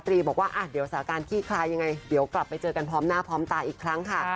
บอกว่าเดี๋ยวสถานการณ์ขี้คลายยังไงเดี๋ยวกลับไปเจอกันพร้อมหน้าพร้อมตาอีกครั้งค่ะ